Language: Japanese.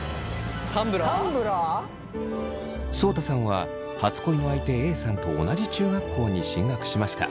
そうたさんは初恋の相手Ａさんと同じ中学校に進学しました。